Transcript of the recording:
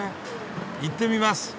行ってみます。